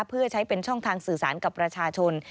เพื่อใช้เป็นช่องทางสื่อสารกับประชาชน